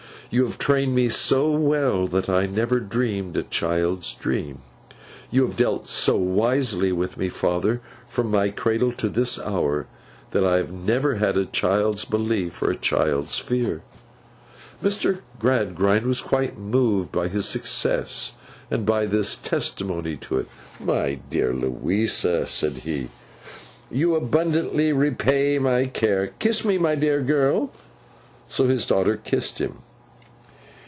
You have trained me so well, that I never dreamed a child's dream. You have dealt so wisely with me, father, from my cradle to this hour, that I never had a child's belief or a child's fear.' Mr. Gradgrind was quite moved by his success, and by this testimony to it. 'My dear Louisa,' said he, 'you abundantly repay my care. Kiss me, my dear girl.' So, his daughter kissed him.